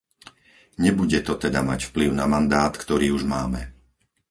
Nebude to teda mať vplyv na mandát, ktorý už máme.